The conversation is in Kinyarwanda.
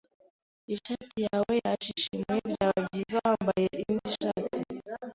Ishati yawe yashishimuye. Byaba byiza wambaye indi shati.